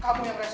kamu yang rese